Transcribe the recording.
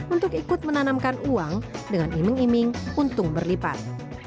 untuk ikut menanamkan uang dengan iming iming untung berlipat